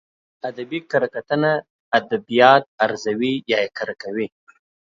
ادبي کره کتنه ادبيات ارزوي يا يې کره کوي.